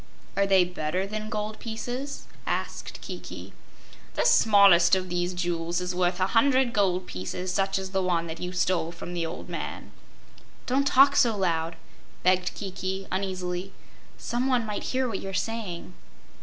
"Are they better than gold pieces?" asked Kiki. "The smallest of these jewels is worth a hundred gold pieces such as you stole from the old man." "Don't talk so loud," begged Kiki, uneasily. "Some one else might hear what you are saying."